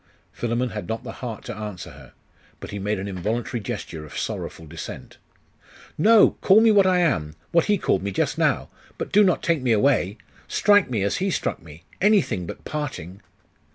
Philammon had not the heart to answer her; but he made an involuntary gesture of sorrowful dissent. 'No! Call me what I am! what he called me just now! but do not take me away! Strike me, as he struck me! anything but parting!